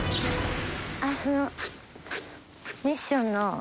そのミッションの。